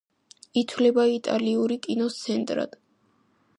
ითვლება იტალიური კინოს ცენტრად.